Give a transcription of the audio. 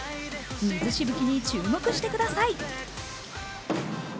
水しぶきに注目してください。